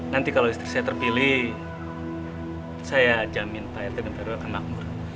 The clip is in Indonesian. nanti kalau istri saya terpilih saya jamin pak rt dan baru akan makmur